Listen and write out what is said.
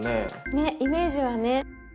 ねイメージはね。